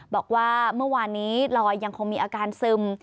บอกว่าเมื่อวานนี้ลอยยังคงมีอาการซึม